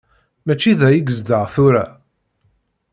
Mačči da i yezdeɣ tura.